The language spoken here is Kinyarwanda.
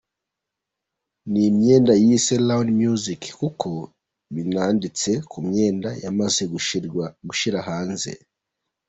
Ni imyenda yise ‘Round Music’ nkuko binanditse ku myenda yamaze gushyira hanze.